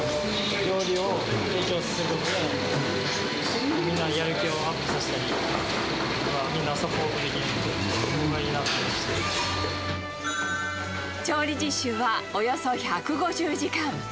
料理を提供することで、みんなのやる気をアップさせたり、みんなをサポートできるので、調理実習はおよそ１５０時間。